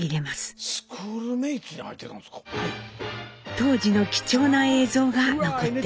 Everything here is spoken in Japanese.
当時の貴重な映像が残っていました。